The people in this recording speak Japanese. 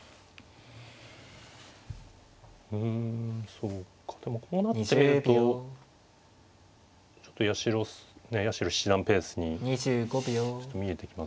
うんそうかでもこうなってみるとちょっと八代七段ペースに見えてきますね。